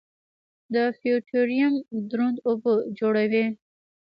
د فیوټیریم دروند اوبه جوړوي.